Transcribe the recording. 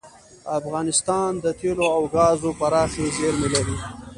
افغانستان د تیلو او ګازو پراخې زیرمې لري.